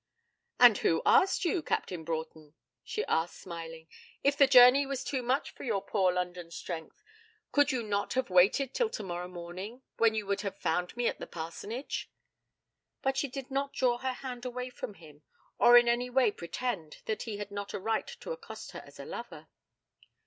'And who asked you, Captain Broughton?' she answered, smiling. 'If the journey was too much for your poor London strength, could you not have waited till tomorrow morning, when you would have found me at the parsonage?' But she did not draw her hand away from him, or in any way pretend that he had not a right to accost her as a lover.